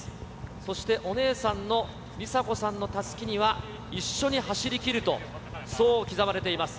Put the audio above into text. そしてお姉さんの梨紗子さんのたすきには一緒に走りきると、そう刻まれています。